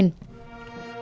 mở đầu chương trình